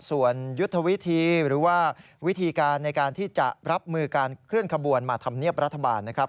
ส่วนยุทธวิธีหรือว่าวิธีการในการที่จะรับมือการเคลื่อนขบวนมาธรรมเนียบรัฐบาลนะครับ